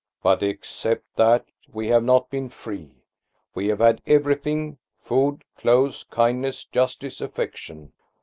But except that we have not been free, we have had everything–food, clothes, kindness, justice, affection.